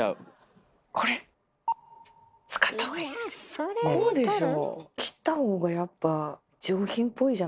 これこうでしょ。